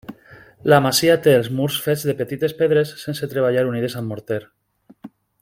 La masia té els murs fets de petites pedres sense treballar unides amb morter.